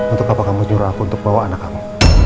untuk apa kamu jurah aku untuk bawa anak kamu